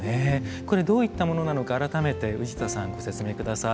これどういったものなのか改めて宇治田さんご説明下さい。